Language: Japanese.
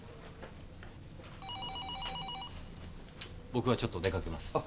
僕はちょっと出かけます。